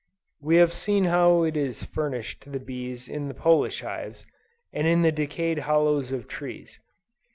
We have seen how it is furnished to the bees in the Polish hives, and in the decayed hollows of trees.